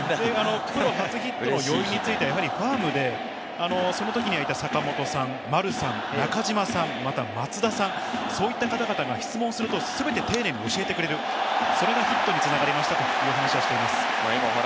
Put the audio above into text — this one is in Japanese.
プロ初ヒットの要因についてはファームでそのときにいた坂本さん、丸さん、中島さん、また松田さん、そういった方々が質問すると、全て丁寧に教えてくれる、それがヒットに繋がりましたという話をしています。